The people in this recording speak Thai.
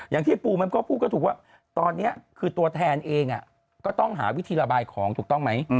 อย่างที่ปูมันก็พูดก็ถูกว่าตอนนี้คือตัวแทนเองก็ต้องหาวิธีระบายของถูกต้องไหม